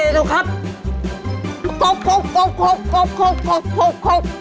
ถูกครับ